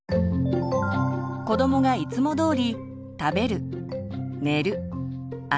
子どもがいつも通り食べる寝る遊ぶ